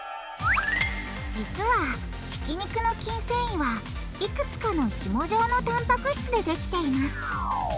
実はひき肉の筋繊維はいくつかのひも状のタンパク質でできています。